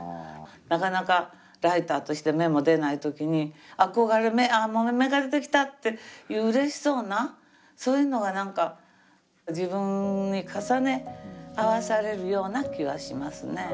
なかなかライターとして芽も出ない時にああ芽が出てきたっていううれしそうなそういうのがなんか自分に重ね合わせられるような気がしますね。